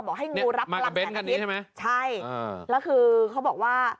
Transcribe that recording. บอกให้งูรับรับแขนมิตรแล้วคือเขาบอกว่า